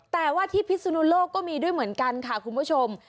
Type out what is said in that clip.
แต่ว่าที่พิศนุโลกก็มีด้วยเหมือนกันค่ะคุณผู้ชม